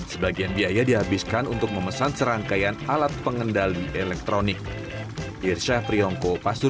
sebagian biaya dihabiskan untuk memesan serangkaian alat pengendali elektronik